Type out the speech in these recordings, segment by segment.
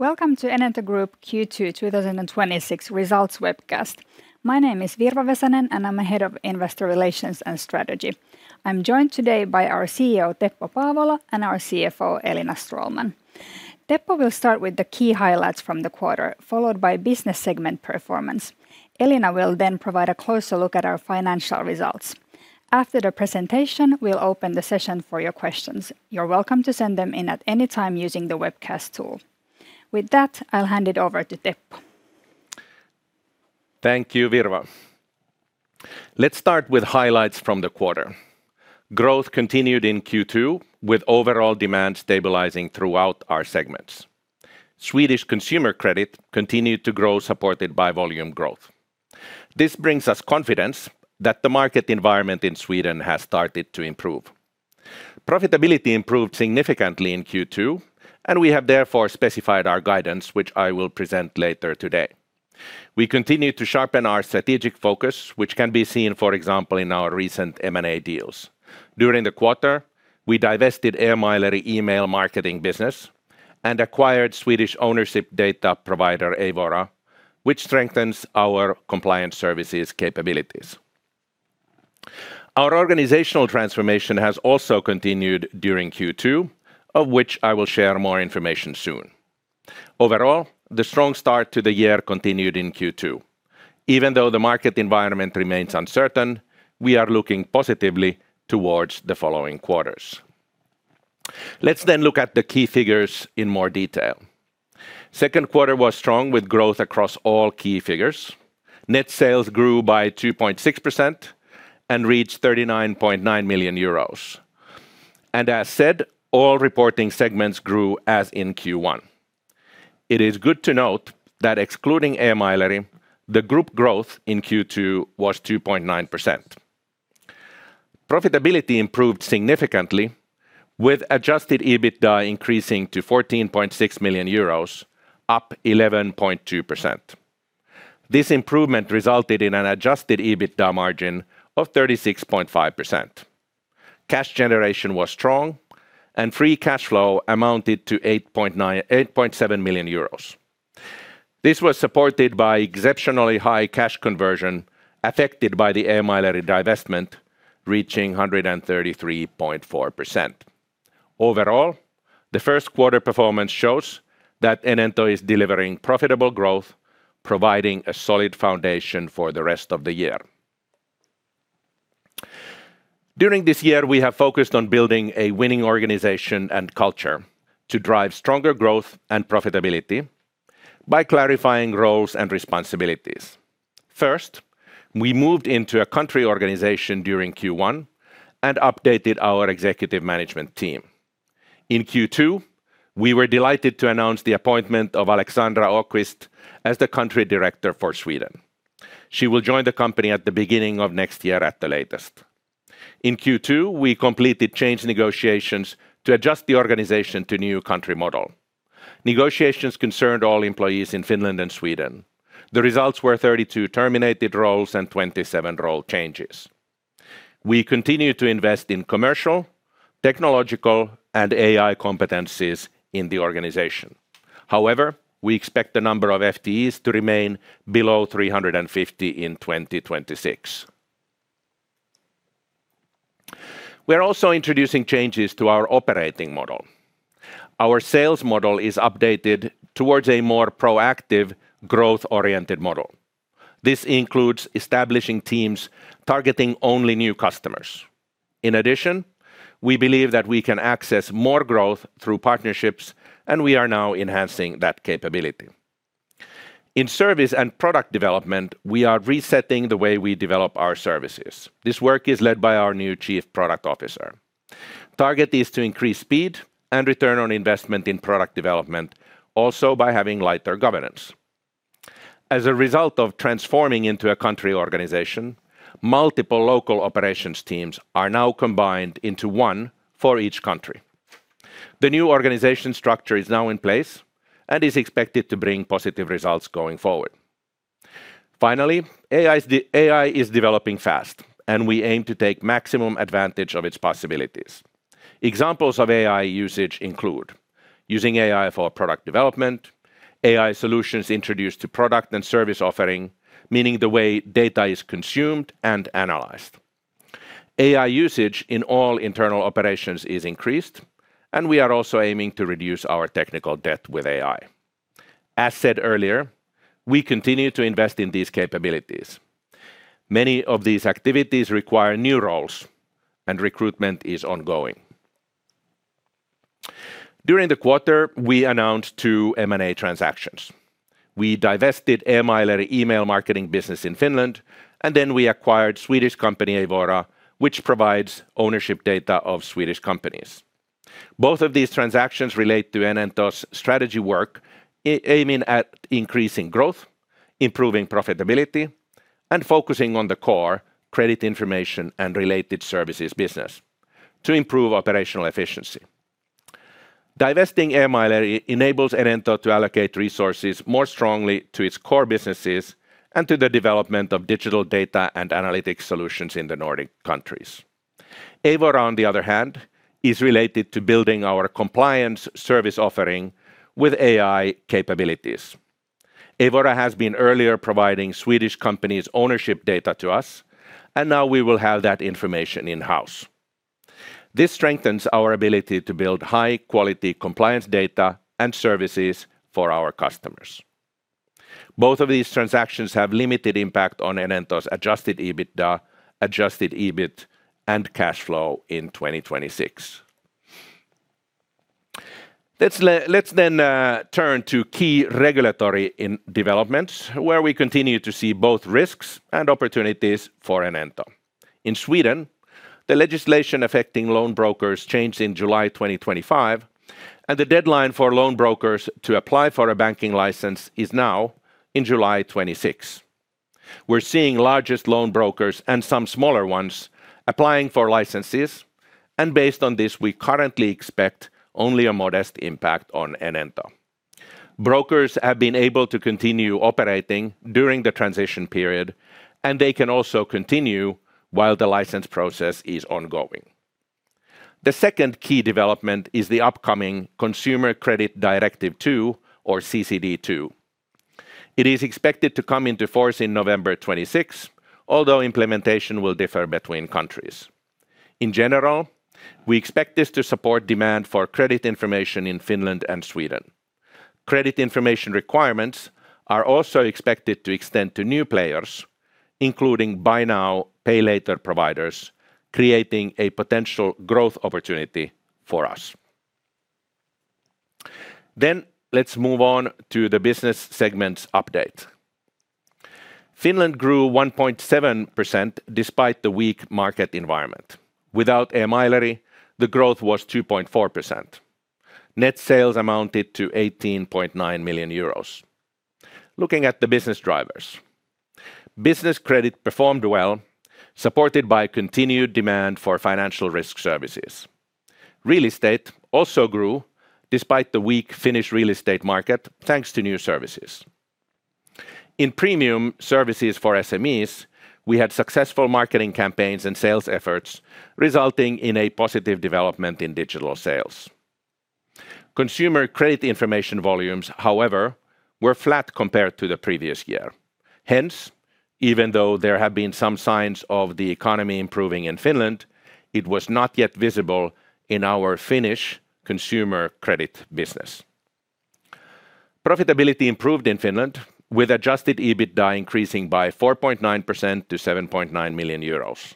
Welcome to the Enento Group Q2 2026 results webcast. My name is Virva Vesanen, and I'm the Head of Investor Relations and Strategy. I'm joined today by our CEO, Teppo Paavola, and our CFO, Elina Stråhlman. Teppo will start with the key highlights from the quarter, followed by business segment performance. Elina will provide a closer look at our financial results. After the presentation, we'll open the session for your questions. You're welcome to send them in at any time using the webcast tool. With that, I'll hand it over to Teppo. Thank you, Virva. Let's start with highlights from the quarter. Growth continued in Q2, with overall demand stabilizing throughout our segments. Swedish consumer credit continued to grow, supported by volume growth. This brings us confidence that the market environment in Sweden has started to improve. Profitability improved significantly in Q2. We have therefore specified our guidance, which I will present later today. We continue to sharpen our strategic focus, which can be seen, for example, in our recent M&A deals. During the quarter, we divested Emaileri's email marketing business and acquired Swedish ownership data provider Eivora, which strengthens our compliance services capabilities. Our organizational transformation has also continued during Q2, of which I will share more information soon. Overall, the strong start to the year continued in Q2. Even though the market environment remains uncertain, we are looking positively towards the following quarters. Let's look at the key figures in more detail. Second quarter was strong, with growth across all key figures. Net sales grew by 2.6% and reached 39.9 million euros. As said, all reporting segments grew as in Q1. It is good to note that excluding Emaileri, the group growth in Q2 was 2.9%. Profitability improved significantly with adjusted EBITDA increasing to 14.6 million euros, up 11.2%. This improvement resulted in an adjusted EBITDA margin of 36.5%. Cash generation was strong, and free cash flow amounted to 8.7 million euros. This was supported by exceptionally high cash conversion affected by the Emaileri divestment, reaching 133.4%. Overall, the first quarter performance shows that Enento is delivering profitable growth, providing a solid foundation for the rest of the year. During this year, we have focused on building a winning organization and culture to drive stronger growth and profitability by clarifying roles and responsibilities. First, we moved into a country organization during Q1 and updated our executive management team. In Q2, we were delighted to announce the appointment of Alexandra Åqvist as the Country Director for Sweden. She will join the company at the beginning of next year at the latest. In Q2, we completed change negotiations to adjust the organization to the new country model. Negotiations concerned all employees in Finland and Sweden. The results were 32 terminated roles and 27 role changes. We continue to invest in commercial, technological, and AI competencies in the organization. However, we expect the number of FTEs to remain below 350 in 2026. We're also introducing changes to our operating model. Our sales model is updated towards a more proactive, growth-oriented model. This includes establishing teams targeting only new customers. In addition, we believe that we can access more growth through partnerships, and we are now enhancing that capability. In service and product development, we are resetting the way we develop our services. This work is led by our new Chief Product Officer. Target is to increase speed and return on investment in product development, also by having lighter governance. As a result of transforming into a country organization, multiple local operations teams are now combined into one for each country. The new organizational structure is now in place and is expected to bring positive results going forward. Finally, AI is developing fast, and we aim to take maximum advantage of its possibilities. Examples of AI usage include using AI for product development, AI solutions introduced to product and service offerings, meaning the way data is consumed and analyzed. AI usage in all internal operations is increased, and we are also aiming to reduce our technical debt with AI. As said earlier, we continue to invest in these capabilities. Many of these activities require new roles, and recruitment is ongoing. During the quarter, we announced two M&A transactions. We divested Emaileri's email marketing business in Finland, and we acquired Swedish company Eivora, which provides ownership data of Swedish companies. Both of these transactions relate to Enento's strategy work aiming at increasing growth, improving profitability, and focusing on the core credit information and related services business to improve operational efficiency. Divesting Emaileri enables Enento to allocate resources more strongly to its core businesses and to the development of digital data and analytics solutions in the Nordic countries. Eivora, on the other hand, is related to building our compliance service offering with AI capabilities. Eivora has been earlier providing Swedish companies' ownership data to us, and now we will have that information in-house. This strengthens our ability to build high-quality compliance data and services for our customers. Both of these transactions have a limited impact on Enento's adjusted EBITDA, adjusted EBIT, and cash flow in 2026. Let's turn to key regulatory developments, where we continue to see both risks and opportunities for Enento. In Sweden, the legislation affecting loan brokers changed in July 2025, and the deadline for loan brokers to apply for a banking license is now in July 2026. We're seeing the largest loan brokers and some smaller ones applying for licenses, and based on this, we currently expect only a modest impact on Enento. Brokers have been able to continue operating during the transition period, and they can also continue while the license process is ongoing. The second key development is the upcoming Consumer Credit Directive II, or CCD2. It is expected to come into force in November 2026, although implementation will differ between countries. In general, we expect this to support demand for credit information in Finland and Sweden. Credit information requirements are also expected to extend to new players, including buy now, pay later providers, creating a potential growth opportunity for us. Let's move on to the business segments update. Finland grew 1.7% despite the weak market environment. Without Emaileri, the growth was 2.4%. Net sales amounted to 18.9 million euros. Looking at the business drivers, business credit performed well, supported by continued demand for financial risk services. Real estate also grew despite the weak Finnish real estate market, thanks to new services. In premium services for SMEs, we had successful marketing campaigns and sales efforts, resulting in a positive development in digital sales. Consumer credit information volumes, however, were flat compared to the previous year. Even though there have been some signs of the economy improving in Finland, it was not yet visible in our Finnish consumer credit business. Profitability improved in Finland with adjusted EBITDA increasing by 4.9% to 7.9 million euros.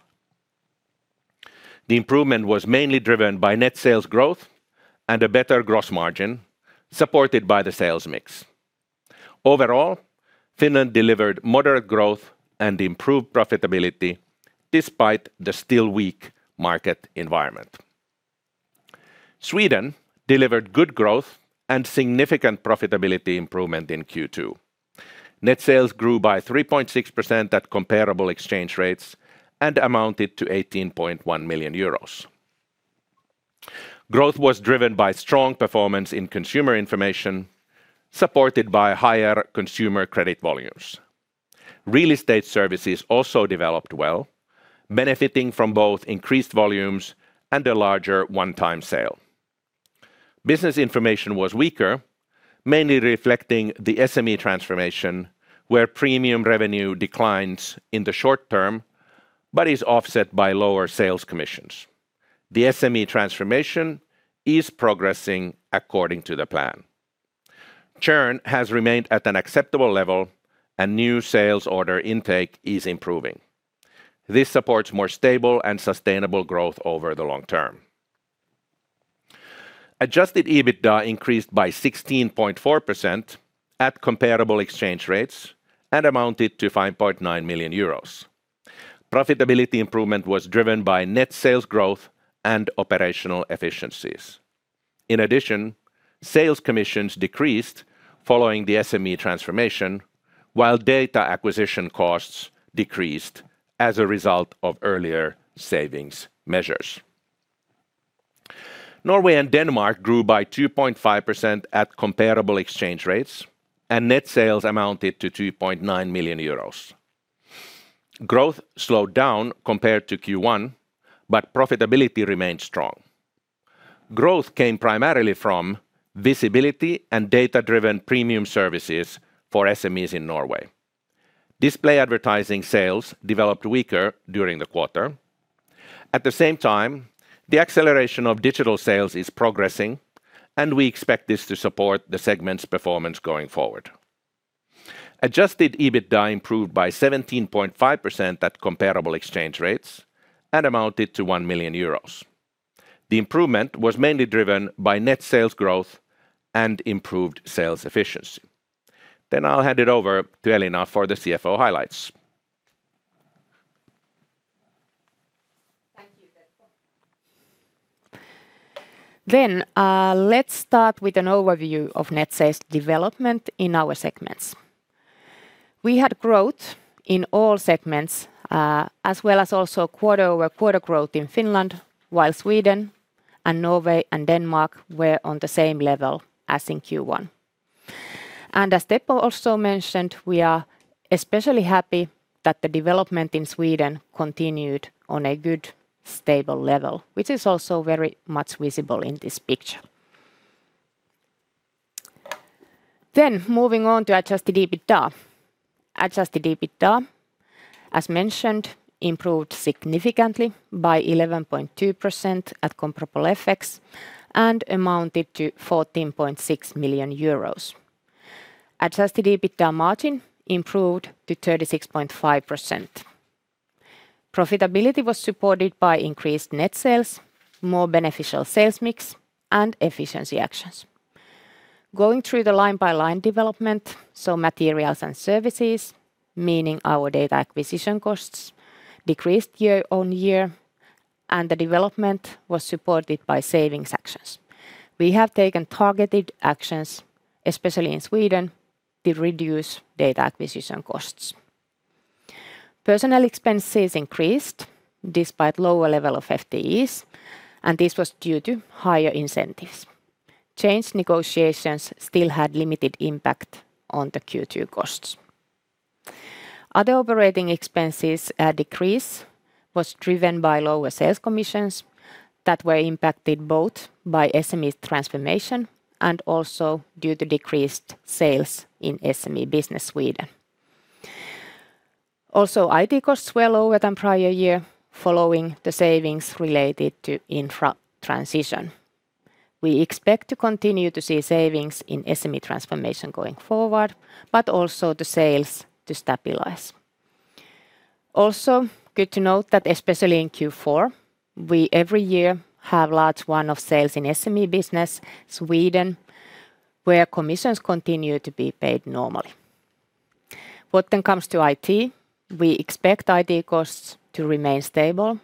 The improvement was mainly driven by net sales growth and a better gross margin, supported by the sales mix. Overall, Finland delivered moderate growth and improved profitability despite the still-weak market environment. Sweden delivered good growth and significant profitability improvement in Q2. Net sales grew by 3.6% at comparable exchange rates and amounted to 18.1 million euros. Growth was driven by strong performance in consumer information, supported by higher consumer credit volumes. Real estate services also developed well, benefiting from both increased volumes and a larger one-time sale. Business information was weaker, mainly reflecting the SME transformation, where premium revenue declines in the short term but is offset by lower sales commissions. The SME transformation is progressing according to the plan. Churn has remained at an acceptable level, and new sales order intake is improving. This supports more stable and sustainable growth over the long term. Adjusted EBITDA increased by 16.4% at comparable exchange rates and amounted to 5.9 million euros. Profitability improvement was driven by net sales growth and operational efficiencies. In addition, sales commissions decreased following the SME transformation, while data acquisition costs decreased as a result of earlier savings measures. Norway and Denmark grew by 2.5% at comparable exchange rates, and net sales amounted to 2.9 million euros. Growth slowed down compared to Q1, but profitability remained strong. Growth came primarily from visibility and data-driven premium services for SMEs in Norway. Display advertising sales developed weaker during the quarter. At the same time, the acceleration of digital sales is progressing, and we expect this to support the segment's performance going forward. Adjusted EBITDA improved by 17.5% at comparable exchange rates and amounted to 1 million euros. The improvement was mainly driven by net sales growth and improved sales efficiency. I'll hand it over to Elina for the CFO highlights. Thank you, Teppo. Let's start with an overview of net sales development in our segments. We had growth in all segments, as well as also quarter-over-quarter growth in Finland, while Sweden and Norway, and Denmark were on the same level as in Q1. As Teppo also mentioned, we are especially happy that the development in Sweden continued on a good, stable level, which is also very much visible in this picture. Moving on to adjusted EBITDA. Adjusted EBITDA, as mentioned, improved significantly by 11.2% at comparable FX and amounted to 14.6 million euros. Adjusted EBITDA margin improved to 36.5%. Profitability was supported by increased net sales, a more beneficial sales mix, and efficiency actions. Going through the line-by-line development, so materials and services, meaning our data acquisition costs, decreased year-on-year, and the development was supported by savings actions. We have taken targeted actions, especially in Sweden, to reduce data acquisition costs. Personnel expenses increased despite a lower level of FTEs, and this was due to higher incentives. Change negotiations still had a limited impact on the Q2 costs. Other operating expenses decrease was driven by lower sales commissions that were impacted both by SME transformation and also due to decreased sales in the SME business in Sweden. Also, IT costs were lower than in the prior year, following the savings related to infra transition. We expect to continue to see savings in SME transformation going forward, but also the sales to stabilize. Also good to note that especially in Q4, we have, every year, large one-off sales in the SME business in Sweden, where commissions continue to be paid normally. What then comes to IT, we expect IT costs to remain stable,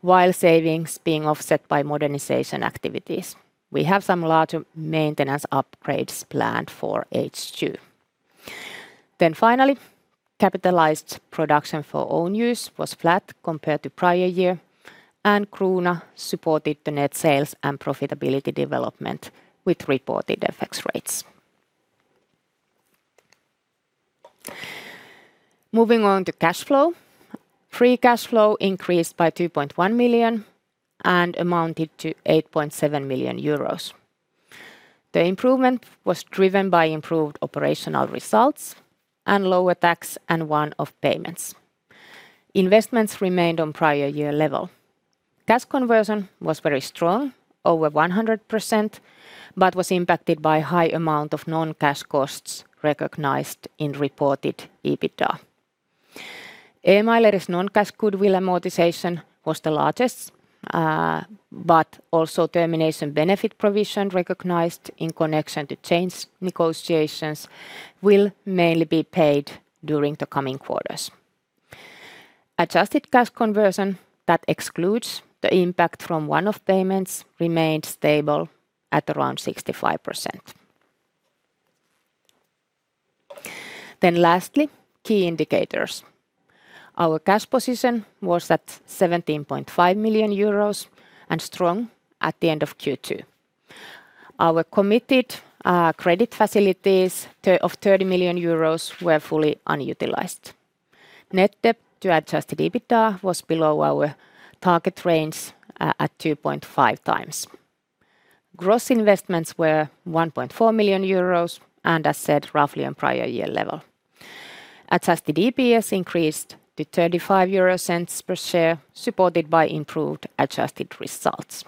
while savings being offset by modernization activities. We have some larger maintenance upgrades planned for H2. Finally, capitalized production for own use was flat compared to the prior year, and krona supported the net sales and profitability development with reported FX rates. Moving on to cash flow. Free cash flow increased by 2.1 million and amounted to 8.7 million euros. The improvement was driven by improved operational results and lower tax and one-off payments. Investments remained on prior year level. Cash conversion was very strong, over 100%, but was impacted by a high amount of non-cash costs recognized in reported EBITDA. Emaileri's non-cash goodwill amortization was the largest, but also the termination benefit provision recognized in connection to change negotiations will mainly be paid during the coming quarters. Adjusted cash conversion that excludes the impact from one-off payments remained stable at around 65%. Lastly, key indicators. Our cash position was at 17.5 million euros and strong at the end of Q2. Our committed credit facilities of 30 million euros were fully unutilized. Net debt to adjusted EBITDA was below our target range at 2.5x. Gross investments were 1.4 million euros and, as said, roughly on the prior year level. Adjusted EPS increased to 0.35 per share, supported by improved adjusted results.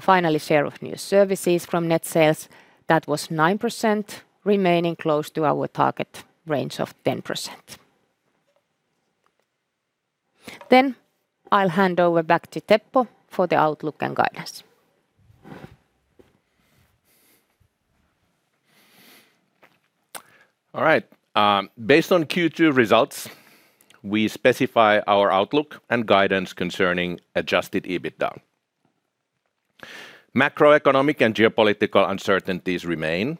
Finally, the share of new services from net sales, that was 9%, remaining close to our target range of 10%. I'll hand over back to Teppo for the outlook and guidance. All right. Based on Q2 results, we specify our outlook and guidance concerning adjusted EBITDA. Macroeconomic and geopolitical uncertainties remain.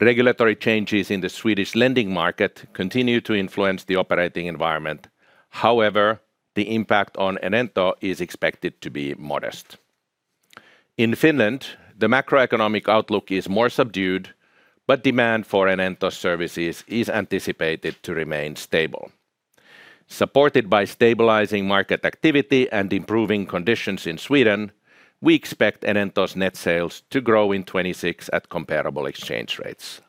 Regulatory changes in the Swedish lending market continue to influence the operating environment. However, the impact on Enento is expected to be modest. In Finland, the macroeconomic outlook is more subdued, but demand for Enento services is anticipated to remain stable. Supported by stabilizing market activity and improving conditions in Sweden, we expect Enento's net sales to grow in 2026 at comparable exchange rates.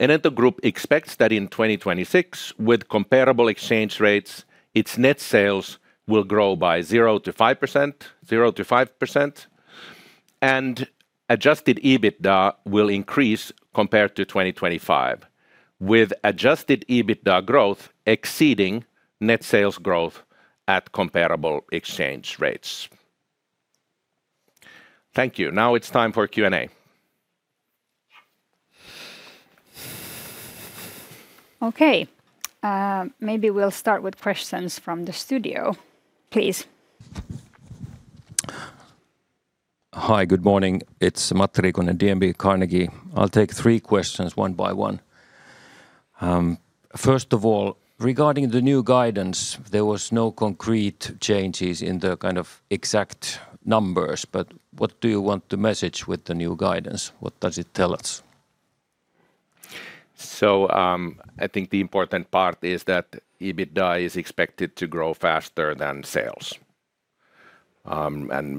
Enento Group expects that in 2026, with comparable exchange rates, its net sales will grow by 0%-5%, and adjusted EBITDA will increase compared to 2025, with adjusted EBITDA growth exceeding net sales growth at comparable exchange rates. Thank you. Now it's time for Q&A. Okay. Maybe we'll start with questions from the studio, please. Hi, good morning. It's Matti Riikonen, DNB Carnegie. I'll take three questions one by one. First of all, regarding the new guidance, there was no concrete changes in the exact numbers. What do you want to message with the new guidance? What does it tell us? I think the important part is that EBITDA is expected to grow faster than sales.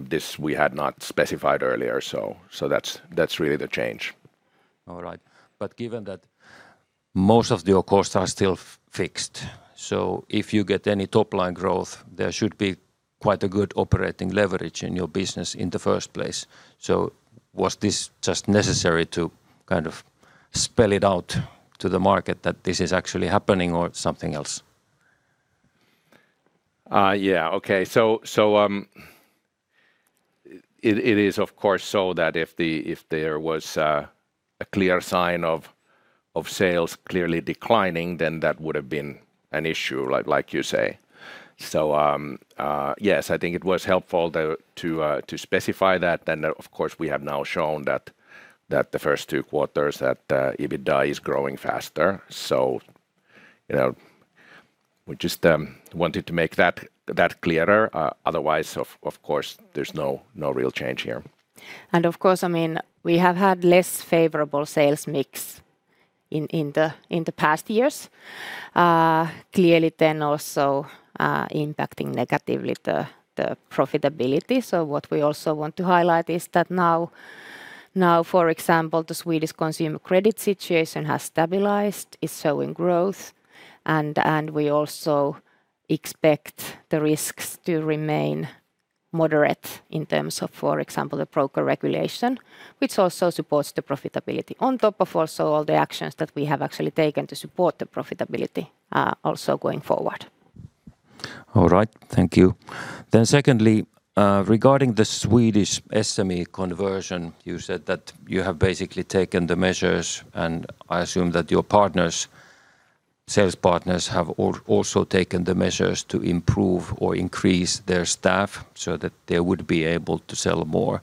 This we had not specified earlier; that's really the change. All right. Given that most of your costs are still fixed, if you get any top-line growth, there should be quite a good operating leverage in your business in the first place. Was this just necessary to spell it out to the market that this is actually happening, or is it something else? Yes. Okay. It is, of course, so that if there was a clear sign of sales clearly declining, then that would've been an issue, like you say. Yes, I think it was helpful to specify that. Of course, we have now shown that the first two quarters that EBITDA is growing faster. We just wanted to make that clearer. Otherwise, of course, there's no real change here. Of course, we have had a less favorable sales mix in the past years. Clearly then also impacting the profitability negatively. What we also want to highlight is that now, for example, the Swedish consumer credit situation has stabilized, is showing growth, and we also expect the risks to remain moderate in terms of, for example, the broker regulation, which also supports the profitability, on top of also all the actions that we have actually taken to support the profitability, also going forward. All right. Thank you. Secondly, regarding the Swedish SME conversion, you said that you have basically taken the measures, and I assume that your sales partners have also taken the measures to improve or increase their staff so that they would be able to sell more.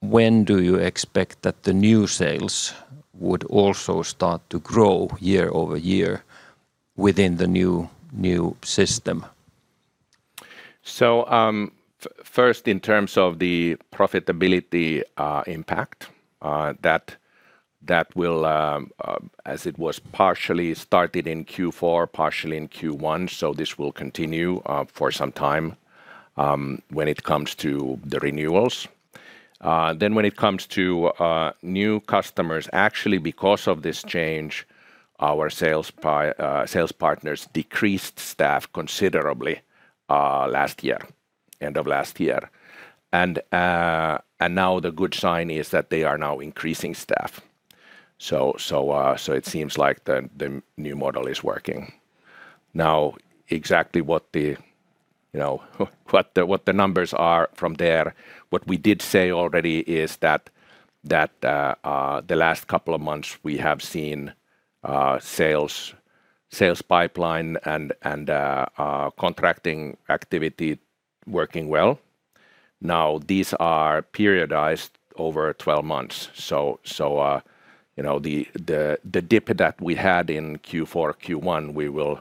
When do you expect that the new sales would also start to grow year-over-year within the new system? First, in terms of the profitability impact, that will, as it was partially started in Q4, partially in Q1, this will continue for some time when it comes to the renewals. When it comes to new customers, actually because of this change, our sales partners decreased staff considerably end of last year. Now, the good sign is that they are now increasing staff. It seems like the new model is working. Exactly what the numbers are from there, what we did say already is that the last couple of months, we have seen sales pipeline and contracting activity working well. These are periodized over 12 months. The dip that we had in Q4, Q1, will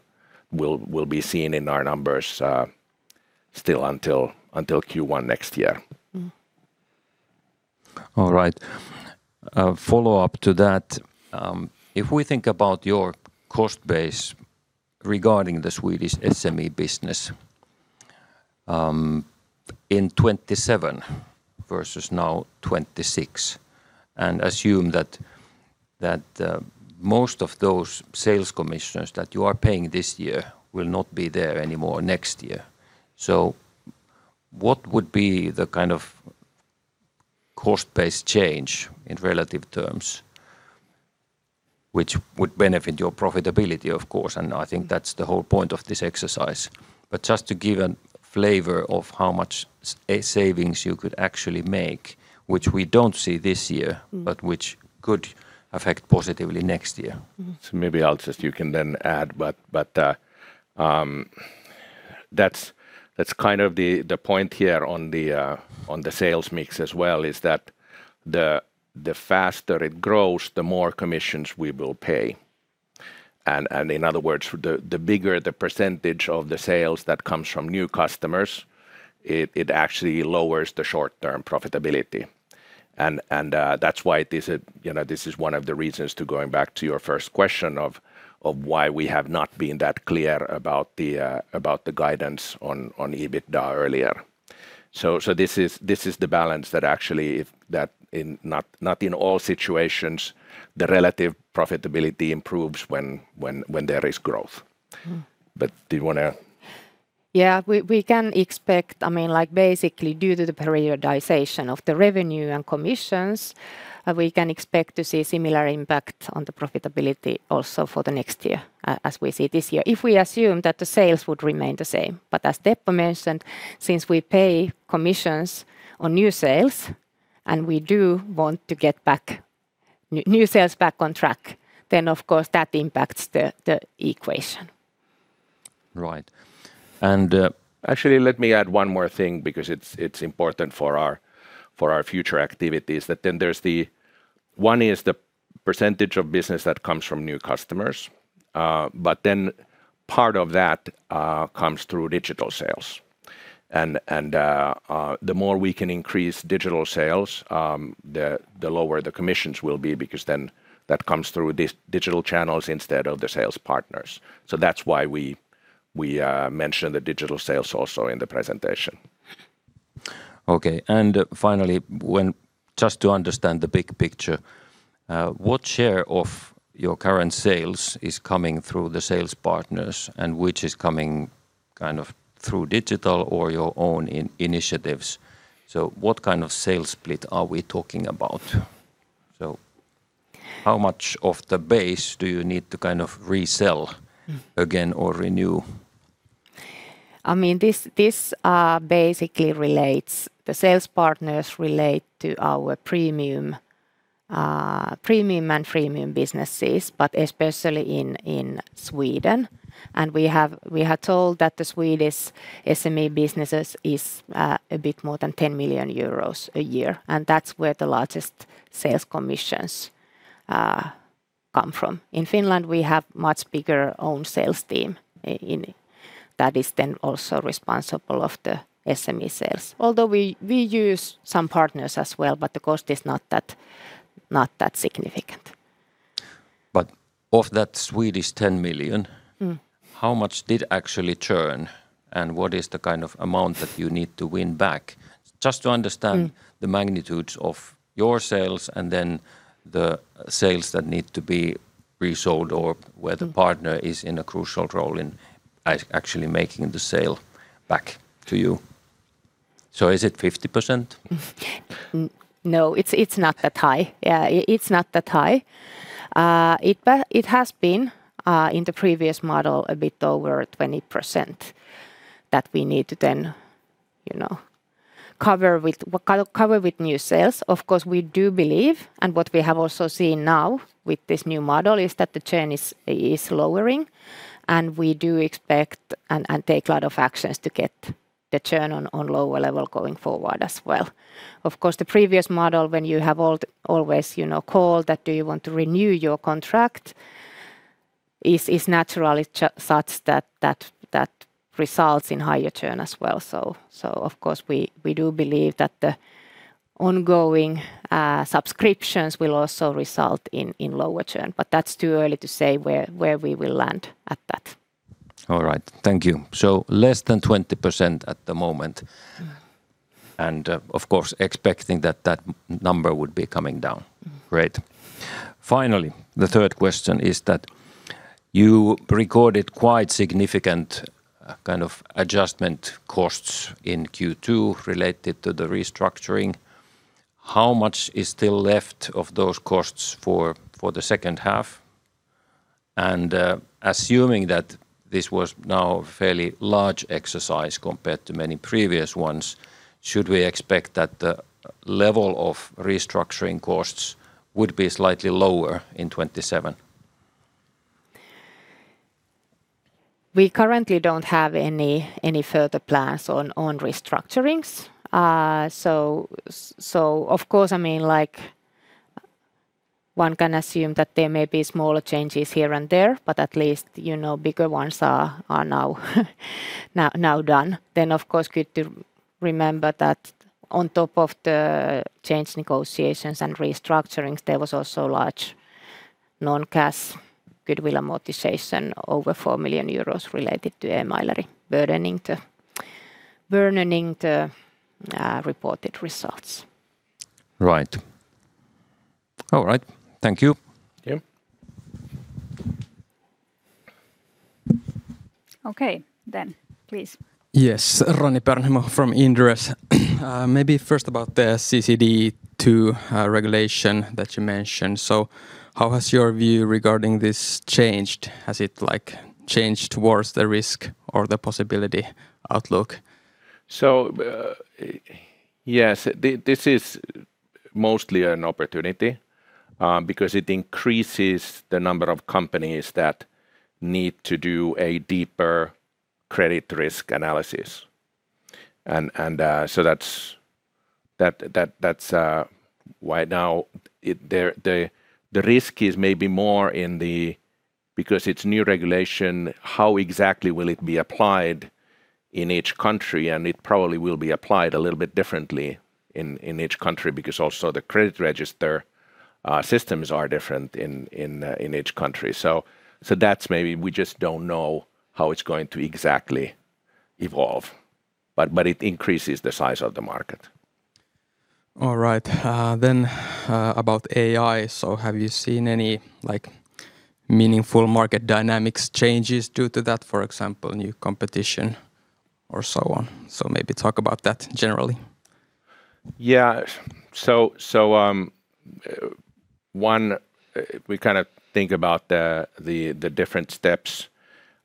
still be seen in our numbers until Q1 next year. All right. A follow-up to that. If we think about your cost base regarding the Swedish SME business in 2027 versus now, 2026, and assume that most of those sales commissions that you are paying this year will not be there anymore next year. What would be the kind of cost base change in relative terms which would benefit your profitability, of course, and I think that's the whole point of this exercise. Just to give a flavor of how much savings you could actually make, which we don't see this year, but which could affect positively next year. Maybe I'll just, you can then add. That's kind of the point here on the sales mix as well, is that the faster it grows, the more commissions we will pay. In other words, the bigger the percentage of the sales that comes from new customers, it actually lowers the short-term profitability. That's why this is one of the reasons to going back to your first question of why we have not been that clear about the guidance on EBITDA earlier. This is the balance that, actually, not in all situations; the relative profitability improves when there is growth. Do you want to add? Yeah. We can expect, basically due to the periodization of the revenue and commissions, we can expect to see a similar impact on the profitability also for the next year, as we see this year. If we assume that the sales would remain the same. As Teppo mentioned, since we pay commissions on new sales and we do want to get new sales back on track, then of course that impacts the equation. Right. Actually, let me add one more thing because it's important for our future activities. One is the percentage of business that comes from new customers, but then part of that comes through digital sales. The more we can increase digital sales, the lower the commissions will be, because then that comes through these digital channels instead of the sales partners. That's why we mention the digital sales also in the presentation. Okay. Finally, just to understand the big picture, what share of your current sales is coming through the sales partners, and which is coming through digital or your own initiatives? What kind of sales split are we talking about? How much of the base do you need to resell again or renew? The sales partners relate to our premium and freemium businesses, but especially in Sweden. We have been told that the Swedish SME businesses is a bit more than 10 million euros a year, and that's where the largest sales commissions come from. In Finland, we have a much bigger own sales team that is also responsible of the SME sales. Although we use some partners as well, but the cost is not that significant. Of that 10 million. How much did actually churn, and what is the kind of amount that you need to win back? Just to understand the magnitudes of your sales and then the sales that need to be resold, or where the partner is in a crucial role in actually making the sale back to you. Is it 50%? It is not that high. It has been in the previous model a bit over 20% that we need to then cover with new sales. We do believe, and what we have also seen now with this new model, is that the churn is lowering. We do expect and take a lot of actions to get the churn on a lower level going forward as well. The previous model, when you have always called that, "Do you want to renew your contract?" is naturally such that results in higher churn as well. We do believe that the ongoing subscriptions will also result in lower churn, but that's too early to say where we will land at that. All right, thank you. Less than 20% at the moment. Of course, expecting that the number would be coming down. Great. Finally, the third question is that you recorded quite significant adjustment costs in Q2 related to the restructuring. How much is still left of those costs for the second half? Assuming that this was now a fairly large exercise compared to many previous ones, should we expect that the level of restructuring costs would be slightly lower in 2027? We currently don't have any further plans on restructurings. Of course, one can assume that there may be smaller changes here and there, but at least bigger ones are now done. Of course, good to remember that on top of the change negotiations and restructurings, there was also a large non-cash goodwill amortization over 4 million euros related to Emaileri burdening the reported results. Right. All right. Thank you. Thank you. Okay. please. Yes. Roni Peuranheimo from Inderes. First, about the CCD2 regulation that you mentioned. How has your view regarding this changed? Has it changed towards the risk or the possibility outlook? Yes. This is mostly an opportunity because it increases the number of companies that need to do a deeper credit risk analysis. Now the risk is more because it's a new regulation, how exactly will it be applied in each country? It will probably be applied a little bit differently in each country, because the credit register systems are also different in each country. We just don't know how it's going to exactly evolve, but it increases the size of the market. All right. About AI. Have you seen any meaningful market dynamics changes due to that? For example, new competition or so on. Maybe talk about that generally. Yeah. We think about the different steps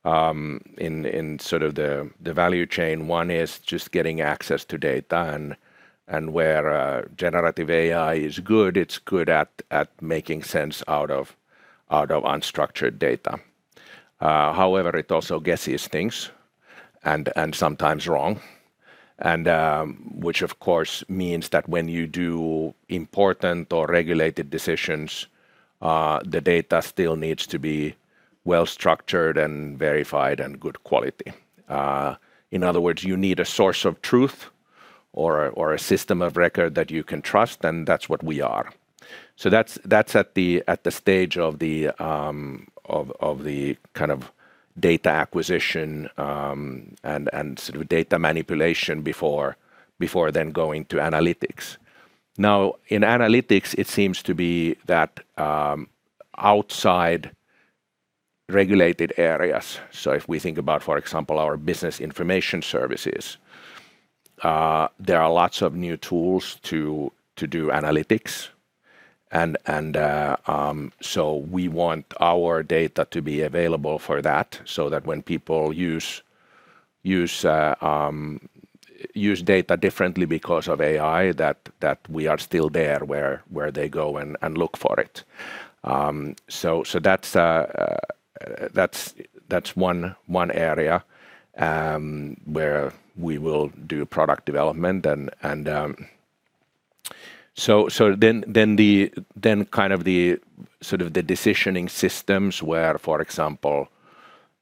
in the value chain. One is just getting access to data, and where generative AI is good, it's good at making sense out of unstructured data. However, it also guesses things and sometimes wrong, which, of course, means that when you do important or regulated decisions, the data still needs to be well-structured and verified, and of good quality. In other words, you need a source of truth or a system of record that you can trust, and that's what we are. That's at the stage of the data acquisition and data manipulation before then going to analytics. In analytics, it seems to be that outside regulated areas, so if we think about, for example, our business information services, there are lots of new tools to do analytics. We want our data to be available for that, so that when people use data differently because of AI, we are still there where they go and look for it. That's one area where we will do product development. The decisioning systems, where, for example,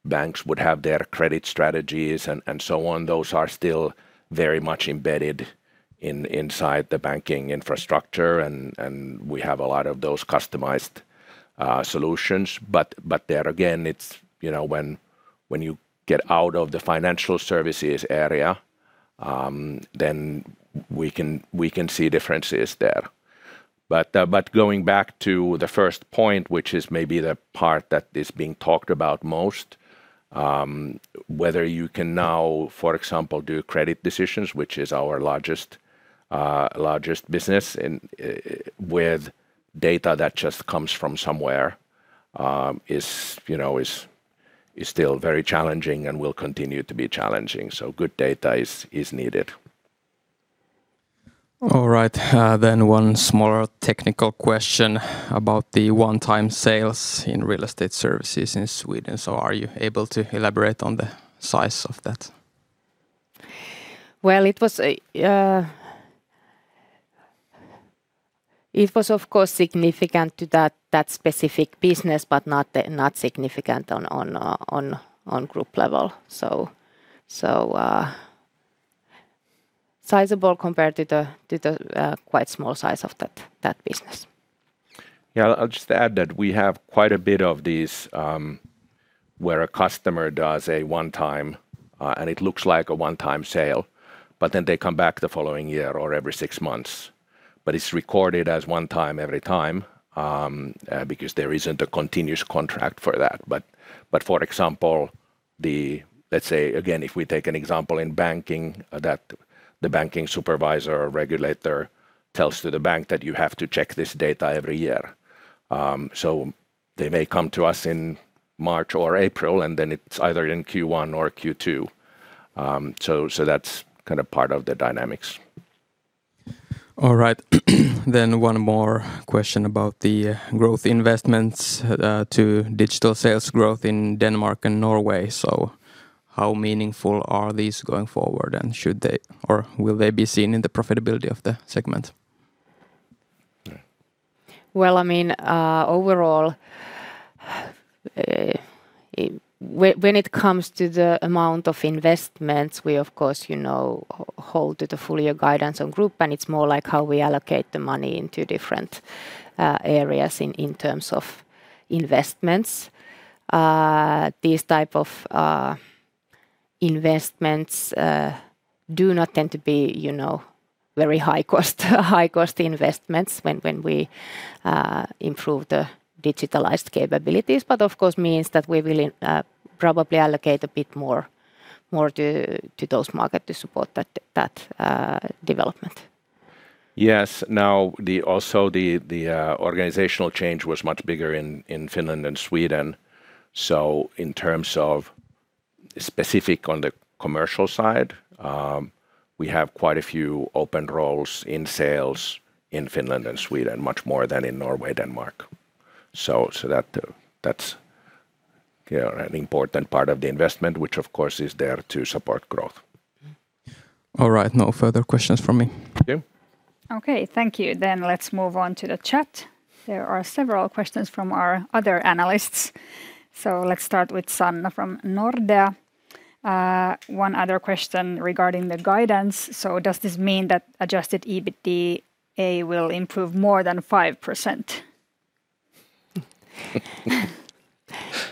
banks would have their credit strategies and so on, those are still very much embedded inside the banking infrastructure, and we have a lot of those customized solutions. There again, it's when you get out of the financial services area then we can see differences there. Going back to the first point, which is maybe the part that is being talked about most, whether you can now, for example, do credit decisions, which is our largest business, and with data that just comes from somewhere, is still very challenging and will continue to be challenging. Good data is needed. All right. One smaller technical question about the one-time sales in real estate services in Sweden. Are you able to elaborate on the size of that? Well, it was, of course, significant to that specific business, but not significant on a group level. Sizable compared to the quite small size of that business. Yeah. I'll just add that we have quite a bit of these, where a customer does a one-time, and it looks like a one-time sale, then they come back the following year or every six months. It's recorded as one time every time because there isn't a continuous contract for that. For example, let's say, again, if we take an example in banking, that the banking supervisor or regulator tells to the bank that you have to check this data every year. They may come to us in March or April; then it's either in Q1 or Q2. That's part of the dynamics. All right. One more question about the growth investments to digital sales growth in Denmark and Norway. How meaningful are these going forward, and should they, or will they be seen in the profitability of the segment? Well, overall, when it comes to the amount of investments, we of course hold to the full-year guidance on the group; it's more like how we allocate the money into different areas in terms of investments. These types of investments do not tend to be very high-cost investments when we improve the digitalized capabilities, of course means that we will probably allocate a bit more to those markets to support that development. Yes. Now, the organizational change was also much bigger in Finland and Sweden. In terms of specifics on the commercial side, we have quite a few open roles in sales in Finland and Sweden, much more than in Norway and Denmark. That's an important part of the investment, which, of course, is there to support growth. All right. No further questions from me. Yeah. Okay. Thank you. Let's move on to the chat. There are several questions from our other analysts. Let's start with Sanna from Nordea. One other question regarding the guidance. Does this mean that adjusted EBITDA will improve by more than 5%?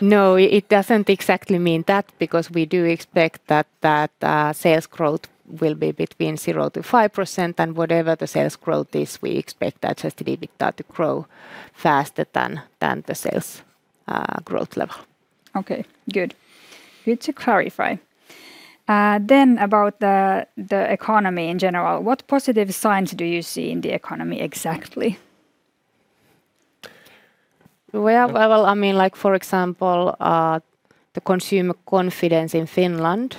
No, it doesn't exactly mean that because we do expect that sales growth will be between 0% to 5%, whatever the sales growth is, we expect adjusted EBITDA to grow faster than the sales growth level. Okay, good. Good to clarify. About the economy in general, what positive signs do you see in the economy exactly? Well, for example, the consumer confidence in Finland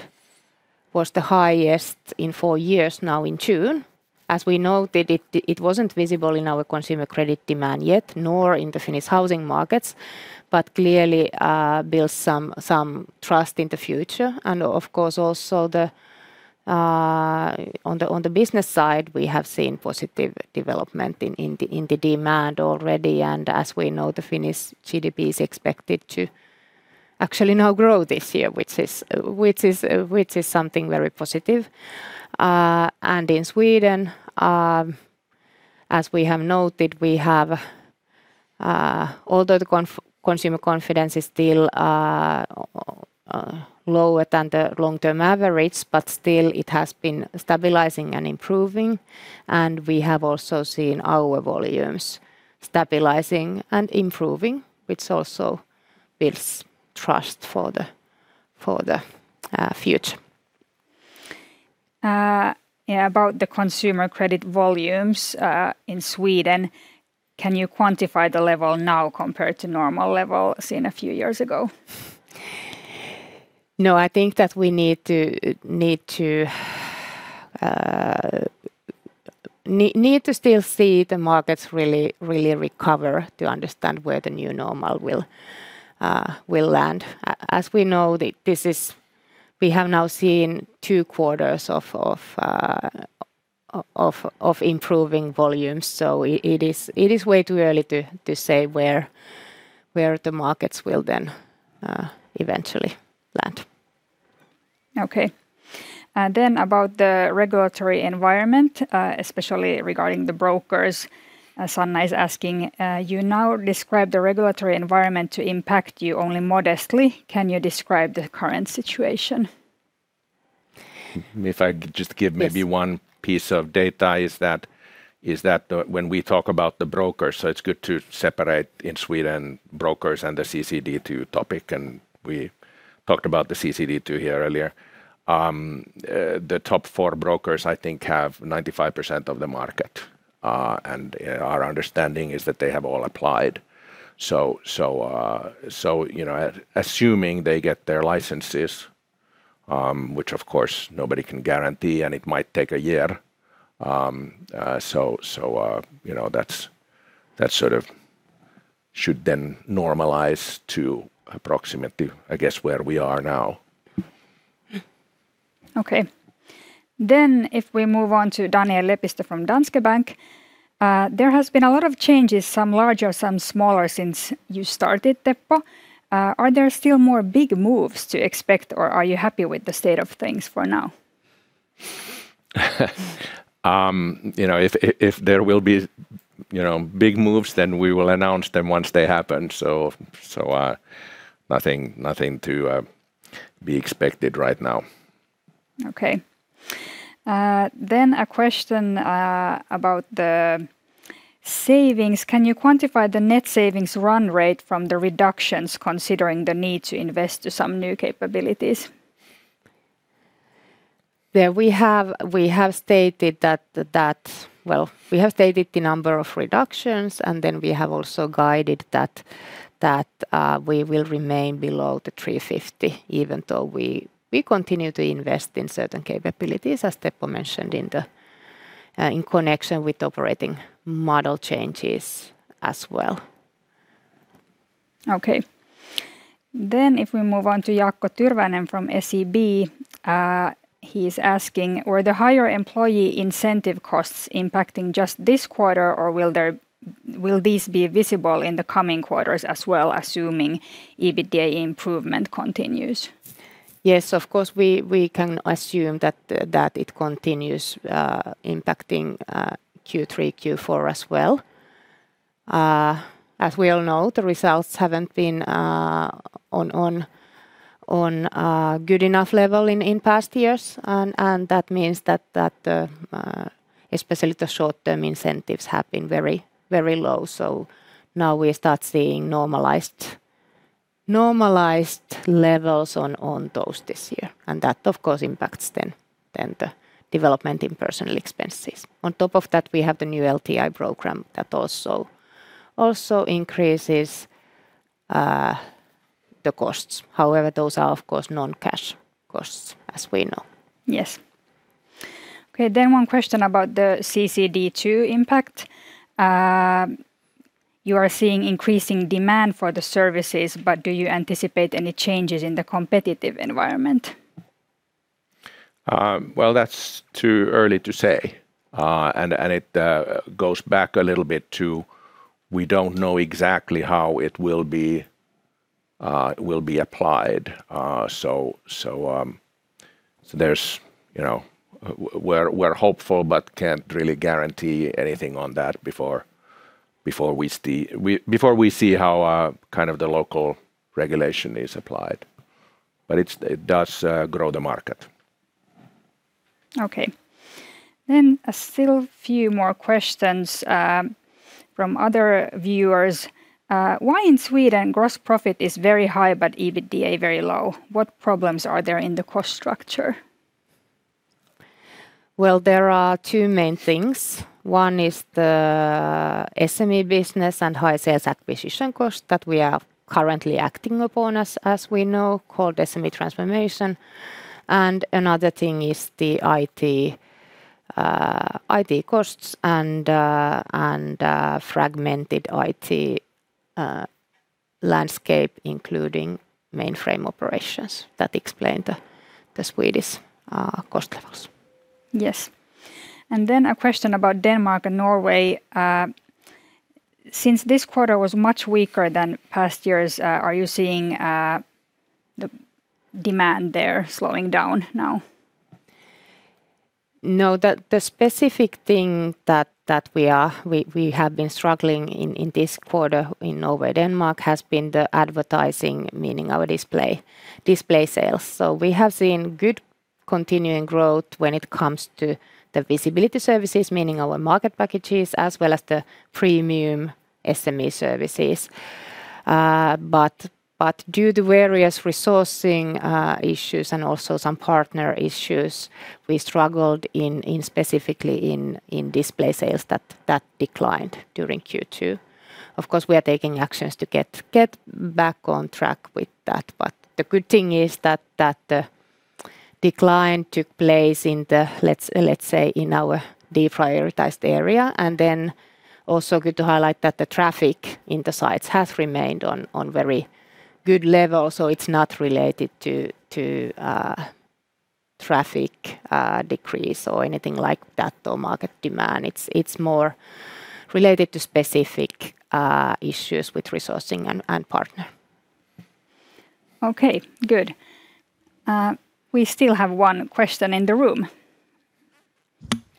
was the highest in four years now in June. As we noted, it wasn't visible in our consumer credit demand yet, nor in the Finnish housing markets, but it clearly builds some trust in the future. Of course, also on the business side, we have seen positive development in the demand already. As we know, the Finnish GDP is expected to actually grow this year, which is something very positive. In Sweden, as we have noted, although the consumer confidence is still lower than the long-term average, but still it has been stabilizing and improving, and we have also seen our volumes stabilizing and improving, which also builds trust for the future. Yeah. About the consumer credit volumes in Sweden, can you quantify the level now compared to the normal level seen a few years ago? I think that we need to still see the markets really recover to understand where the new normal will land. As we know, we have now seen two quarters of improving volumes; it is way too early to say where the markets will then eventually land. Okay. About the regulatory environment, especially regarding the brokers. Sanna is asking, you now describe the regulatory environment to impact you only modestly. Can you describe the current situation? If I could just give maybe one piece of data is that when we talk about the brokers, it's good to separate in Sweden brokers and the CCD2 topic, and we talked about the CCD2 here earlier. The top four brokers, I think, have 95% of the market. Our understanding is that they have all applied. Assuming they get their licenses, which of course nobody can guarantee, it might take a year. That should normalize to approximately, I guess, where we are now. Okay. If we move on to Daniel Lepistö from Danske Bank. There has been a lot of changes, some larger, some smaller, since you started, Teppo. Are there still more big moves to expect, or are you happy with the state of things for now? If there will be big moves, we will announce them once they happen. Nothing to be expected right now. Okay. A question about the savings. Can you quantify the net savings run rate from the reductions, considering the need to invest to some new capabilities? We have stated the number of reductions, and then we have also guided that we will remain below the 350, even though we continue to invest in certain capabilities, as Teppo mentioned in connection with operating model changes as well. Okay. If we move on to Jaakko Tyrväinen from SEB. He is asking, were the higher employee incentive costs impacting just this quarter, or will these be visible in the coming quarters as well, assuming EBITDA improvement continues? Yes, of course, we can assume that it continues impacting Q3, Q4 as well. As we all know, the results haven't been on good enough level in past years, and that means that especially the short-term incentives have been very low. Now we start seeing normalized levels on those this year, and that, of course, impacts then the development in personal expenses. On top of that, we have the new LTI program that also increases the costs. However, those are of course non-cash costs, as we know. Yes. Okay, one question about the CCD2 impact. You are seeing increasing demand for the services. Do you anticipate any changes in the competitive environment? Well, that's too early to say. It goes back a little bit to we don't know exactly how it will be applied. We're hopeful but can't really guarantee anything on that before we see how the local regulation is applied. It does grow the market. Okay. Still a few more questions from other viewers. Why is gross profit in Sweden very high, but EBITDA very low? What problems are there in the cost structure? Well, there are two main things. One is the SME business and high sales acquisition cost that we are currently acting upon, as we know, called SME Transformation. Another thing is the IT costs and fragmented IT landscape, including mainframe operations that explain the Swedish cost levels. Yes. Then, a question about Denmark and Norway. Since this quarter was much weaker than past years, are you seeing the demand there slowing down now? No. The specific thing that we have been struggling in this quarter in Norway and Denmark has been the advertising, meaning our display sales. We have seen good continuing growth when it comes to the visibility services, meaning our market packages as well as the premium SME services. Due to various resourcing issues and also some partner issues, we struggled specifically in display sales that declined during Q2. Of course, we are taking actions to get back on track with that. The good thing is that the decline took place in, let's say, in our deprioritized area. Also good to highlight that the traffic in the sites has remained on very good levels. It's not related to traffic decrease or anything like that, or market demand. It's more related to specific issues with resourcing and the partner. Okay, good. We still have one question in the room.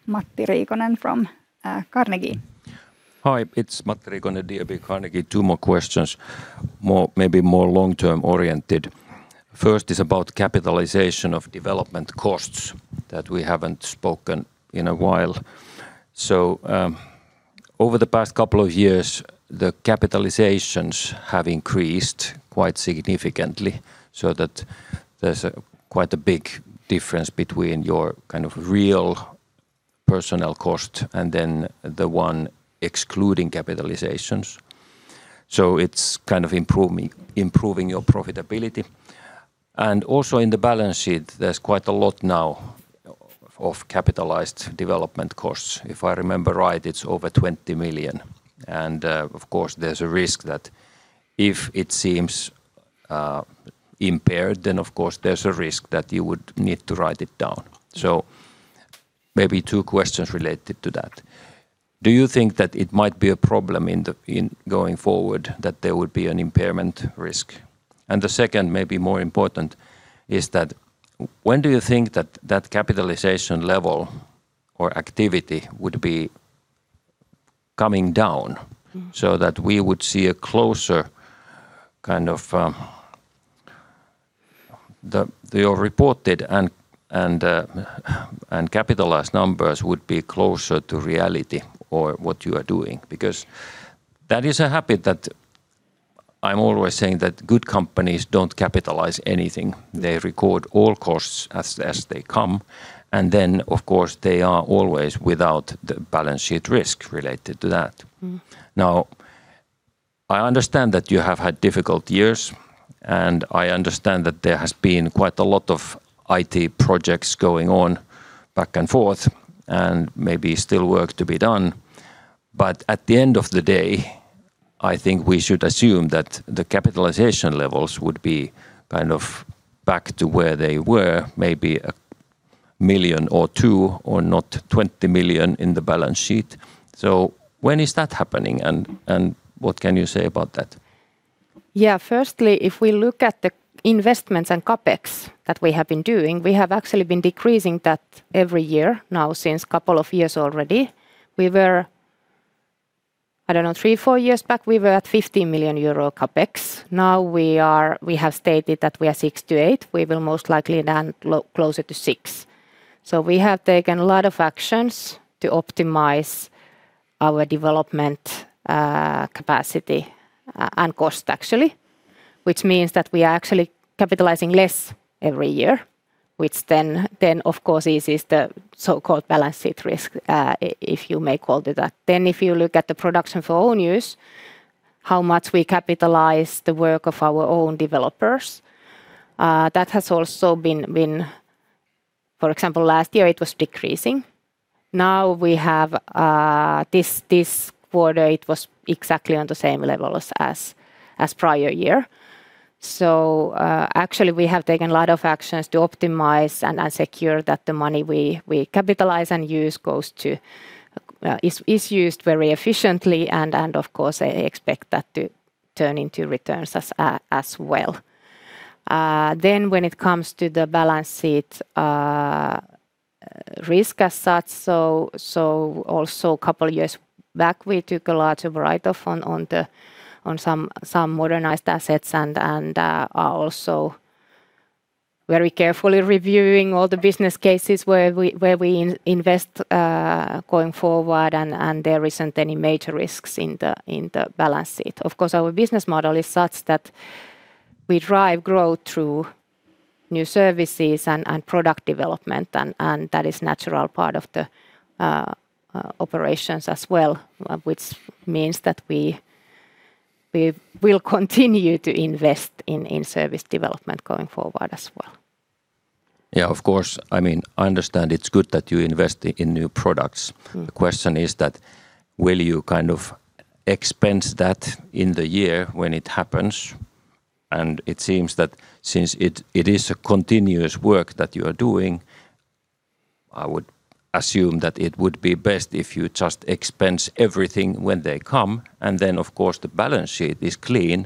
Matti Riikonen from Carnegie. Hi, it's Matti Riikonen, DNB Carnegie. Two more questions, maybe more long-term oriented. First is about the capitalization of development costs that we haven't spoken in a while. Over the past couple of years, the capitalizations have increased quite significantly, so that there's quite a big difference between your kind of real personnel cost and then the one excluding capitalizations. It's kind of improving your profitability. In the balance sheet, there's quite a lot now of capitalized development costs. If I remember right, it's over 20 million. Of course, there's a risk that if it seems impaired, then of course there's a risk that you would need to write it down. Maybe two questions related to that. Do you think that it might be a problem going forward that there would be an impairment risk? The second, maybe more important, is that when do you think that the capitalization level or activity would be coming down, so that we would see your reported and capitalized numbers would be closer to reality or what you are doing? That is a habit that I am always saying that good companies don't capitalize anything. They record all costs as they come, and they are always without the balance sheet risk related to that. I understand that you have had difficult years, and I understand that there has been quite a lot of IT projects going on back and forth, and maybe still work to be done. At the end of the day, I think we should assume that the capitalization levels would be kind of back to where they were, maybe a million or two, or not 20 million in the balance sheet. When is that happening, and what can you say about that? Firstly, if we look at the investments and CapEx that we have been doing, we have actually been decreasing that every year now since couple of years already. Three, four years back, we were at 15 million euro CapEx. We have stated that we are six to eight. We will most likely land closer to six. We have taken a lot of actions to optimize our development capacity and cost, actually, which means that we are actually capitalizing less every year, which then, of course, eases the so-called balance sheet risk, if you may call it that. If you look at the production for our own use, how much we capitalize the work of our own developers, that has also been, for example, last year it was decreasing. This quarter, it was exactly on the same level as the prior year. Actually, we have taken a lot of actions to optimize and secure that the money we capitalize and use is used very efficiently, and, of course, I expect that to turn into returns as well. When it comes to the balance sheet risk as such, also a couple of years back, we took a lot of write-offs on some modernized assets and are also very carefully reviewing all the business cases where we invest going forward, and there isn't any major risks in the balance sheet. Our business model is such that we drive growth through new services and product development, and that is a natural part of the operations as well, which means that we will continue to invest in service development going forward as well. Yeah, of course. I understand it's good that you invest in new products. The question is that, will you expense that in the year when it happens? It seems that since it is a continuous work that you are doing, I would assume that it would be best if you just expense everything when they come, and then, of course, the balance sheet is clean.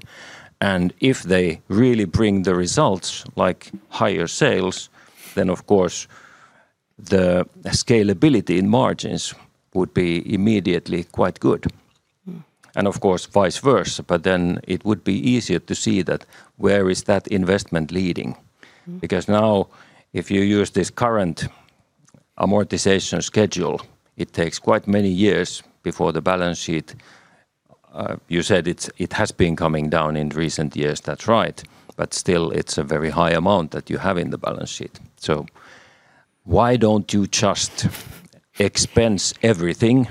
If they really bring the results, like higher sales, then of course, the scalability in margins would be immediately quite good. Of course, vice versa, it would be easier to see where that investment is leading. Now, if you use this current amortization schedule, it takes quite many years before the balance sheet. You said it has been coming down in recent years. That's right, still it's a very high amount that you have in the balance sheet. Why don't you just expense everything?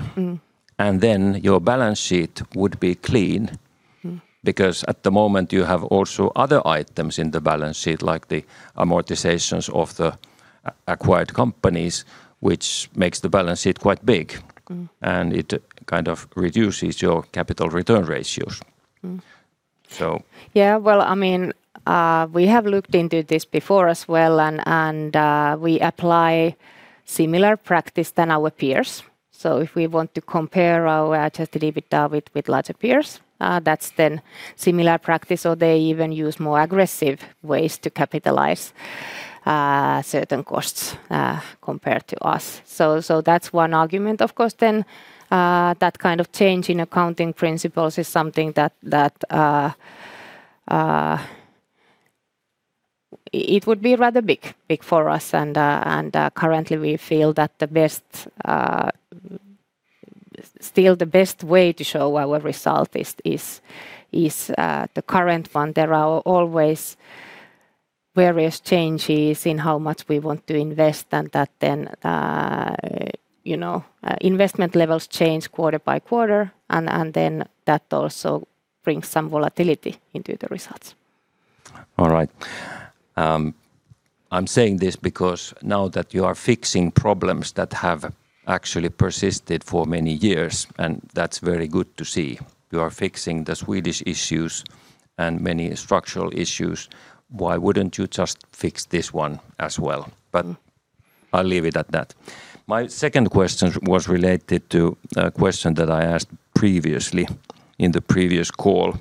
Your balance sheet would be clean. At the moment, you also have other items in the balance sheet, like the amortizations of the acquired companies, which makes the balance sheet quite big. It kind of reduces your capital return ratios. So Yeah. We have looked into this before as well, and we apply a similar practice than our peers. If we want to compare our adjusted EBITDA with larger peers, that's then similar practice, or they even use more aggressive ways to capitalize certain costs compared to us. That's one argument. Of course, then that kind of change in accounting principles is something that would be rather big for us, and currently, we feel that still the best way to show our result is the current one. There are always various changes in how much we want to invest, and that then investment levels change quarter-by-quarter, and then that also brings some volatility into the results. All right. I'm saying this because now that you are fixing problems that have actually persisted for many years, and that's very good to see. You are fixing the Swedish issues and many structural issues. Why wouldn't you just fix this one as well? I'll leave it at that. My second question was related to a question that I asked previously in the previous call,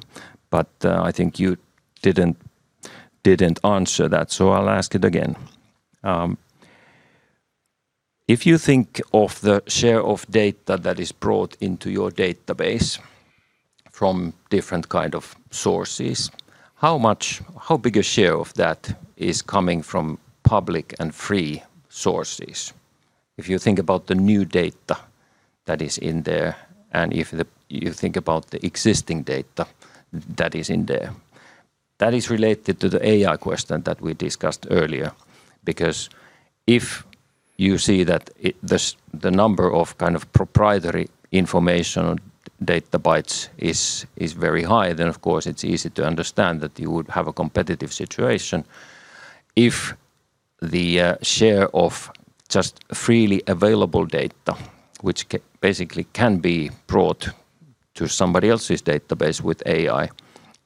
but I think you didn't answer that, so I'll ask it again. If you think of the share of data that is brought into your database from different kinds of sources, how big a share of that is coming from public and free sources? If you think about the new data that is in there, and if you think about the existing data that is in there. That is related to the AI question that we discussed earlier. If you see that the number of proprietary information data bytes is very high, then of course it's easy to understand that you would have a competitive situation. If the share of just freely available data, which basically can be brought to somebody else's database with AI,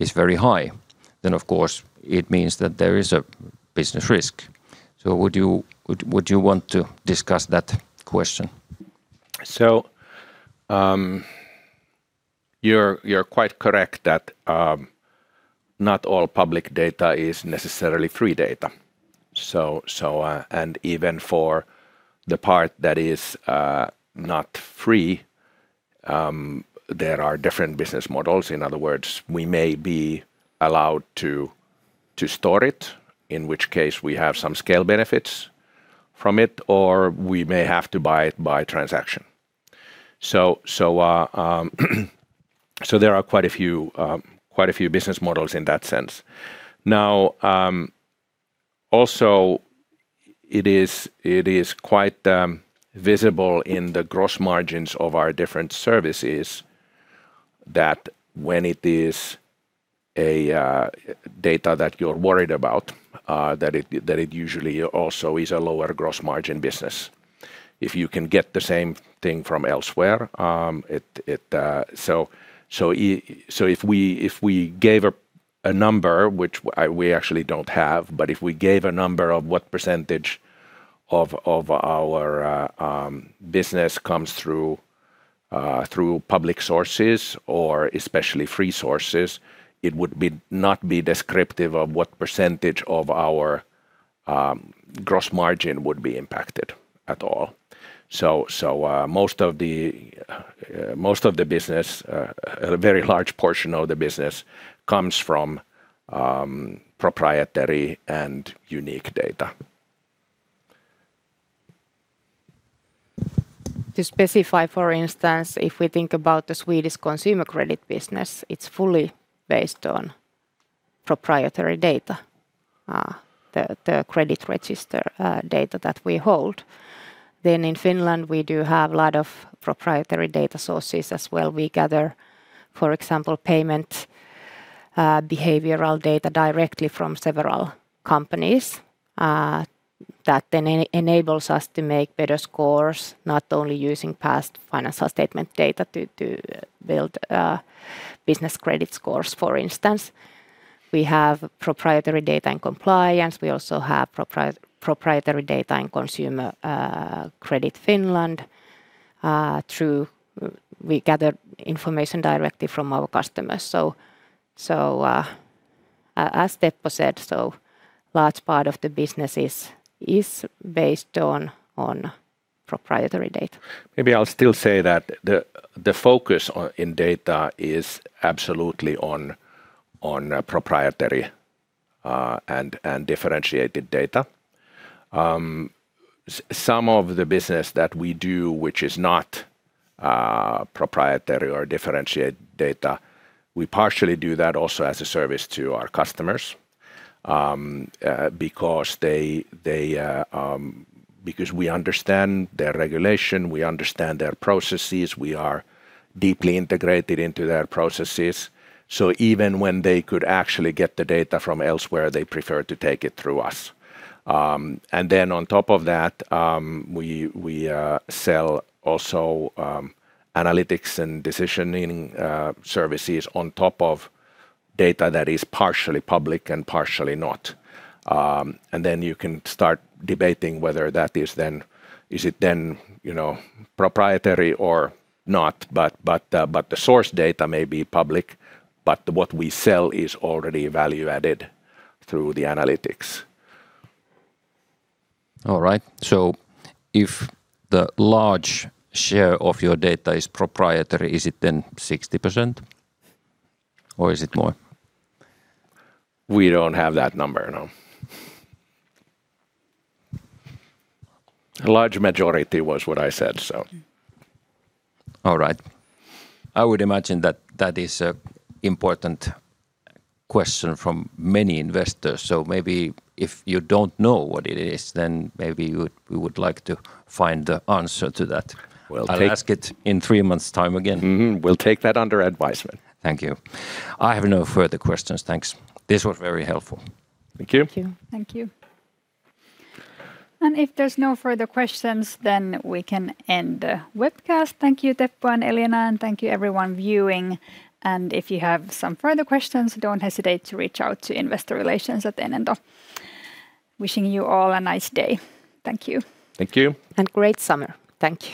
is very high, then of course it means that there is a business risk. Would you want to discuss that question? You're quite correct that not all public data is necessarily free data. Even for the part that is not free, there are different business models. In other words, we may be allowed to store it, in which case we have some scale benefits from it, or we may have to buy it by transaction. There are quite a few business models in that sense. Now, it is also quite visible in the gross margins of our different services that when it is data that you're worried about, that it usually also is a lower gross margin business. If you can get the same thing from elsewhere. If we gave a number, which we actually don't have, but if we gave a number of what percentage of our business comes through public sources or especially free sources, it would not be descriptive of what percentage of our gross margin would be impacted at all. Most of the business, a very large portion of the business, comes from proprietary and unique data To specify, for instance, if we think about the Swedish Consumer Credit business, it's fully based on proprietary data, the credit register data that we hold. In Finland, we do have a lot of proprietary data sources as well. We gather, for example, payment behavioral data directly from several companies that then enable us to make better scores, not only using past financial statement data to build business credit scores, for instance. We have proprietary data in compliance. We also have proprietary data in Consumer Credit Finland. We gather information directly from our customers. As Teppo said, a large part of the business is based on proprietary data. Maybe I'll still say that the focus in data is absolutely on proprietary and differentiated data. Some of the business that we do, which is not proprietary or differentiated data, we partially do that also as a service to our customers because we understand their regulations, we understand their processes, we are deeply integrated into their processes. Even when they could actually get the data from elsewhere, they prefer to take it through us. On top of that, we also sell analytics and decisioning services on top of data that is partially public and partially not. You can start debating whether that is then proprietary or not. The source data may be public, but what we sell is already value-added through the analytics. All right. If the large share of your data is proprietary, is it then 60% or is it more? We don't have that number, no. A large majority was what I said. All right. I would imagine that is an important question from many investors. Maybe if you don't know what it is, maybe we would like to find the answer to that. Well- I'll ask it in three months' time again. Mm-hmm. We'll take that under advisement. Thank you. I have no further questions. Thanks. This was very helpful. Thank you. Thank you. Thank you. If there are no further questions, then we can end the webcast. Thank you, Teppo and Elina. Thank you, everyone viewing. If you have some further questions, don't hesitate to reach out to investor relations at Enento. Wishing you all a nice day. Thank you. Thank you. Great summer. Thank you